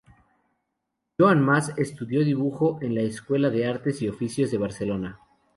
Joan Mas estudió dibujo en la escuela de artes y oficios de Barcelona.